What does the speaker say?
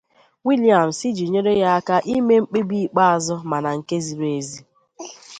Williams iji nyere ya aka ime mkpebi ikpeazụ mana nke ziri ezi.